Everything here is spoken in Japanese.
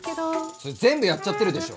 それ全部やっちゃってるでしょ。